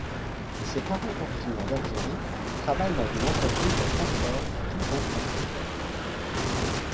Ses parents, originaires d'Algérie, travaillent dans une entreprise de transport qu'ils ont fondée.